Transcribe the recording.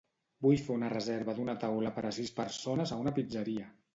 Vull fer una reserva d'una taula per a sis persones a una pizzeria.